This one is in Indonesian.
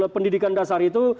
pendidikan dasar itu